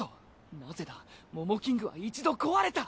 なぜだモモキングは一度壊れた！